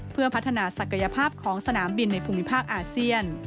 เพื่อพัฒนาศักยภาพของสนามบินในภูมิภาคอาเซียน